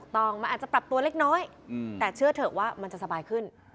ต้องมันอาจจะปรับตัวเล็กน้อยแต่เชื่อเถอะว่ามันจะสบายขึ้น